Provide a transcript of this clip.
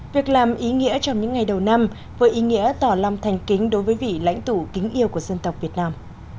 việc làm ý nghĩa trong những ngày đầu năm với ý nghĩa tỏ lòng thành kính đối với vị lãnh tụ kính yêu của dân tộc việt nam